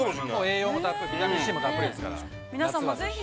◆栄養もたっぷりビタミンＣもたっぷりですから夏はぜひ。